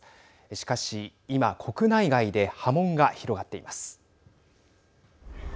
しかし今、国内外で波紋が広がっています。